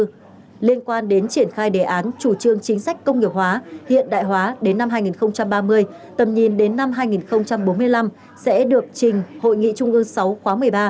các cơ quan liên quan đến triển khai đề án chủ trương chính sách công nghiệp hóa hiện đại hóa đến năm hai nghìn ba mươi tầm nhìn đến năm hai nghìn bốn mươi năm sẽ được trình hội nghị trung ương sáu khóa một mươi ba